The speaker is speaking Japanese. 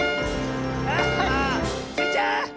あ！スイちゃん！